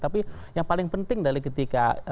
tapi yang paling penting dari ketika